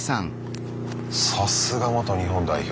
さすが元日本代表。